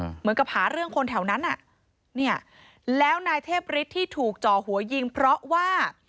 เหมือนกับหาเรื่องคนแถวนั้นอ่ะเนี่ยแล้วนายเทพฤทธิ์ที่ถูกจ่อหัวยิงเพราะว่า